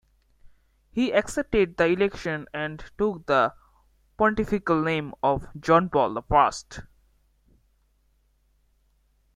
He accepted the election and took the pontifical name of "John Paul the First".